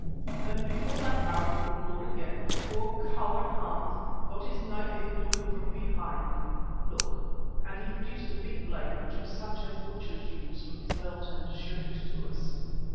"Then before that Arab could load again, poor coward Hans got his knife into him from behind. Look!" and he produced a big blade, which was such as butchers use, from his belt and showed it to us.